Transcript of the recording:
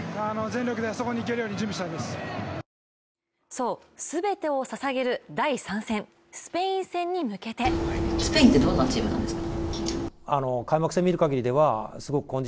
そう、全てをささげる第３戦スペイン戦に向けてスペインってどんなチームなんですか？